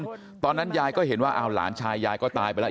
ตอนนั้นยายก็เห็นว่าอ้าวหลานชายยายก็ตายไปแล้ว